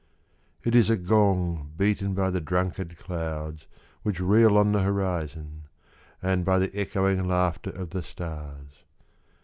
It is a gong, beaten by the drunkard clouds Which reel on the horizon, and by the echoing laughter of the stars.